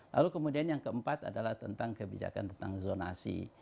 lalu kemudian yang keempat adalah tentang kebijakan tentang zonasi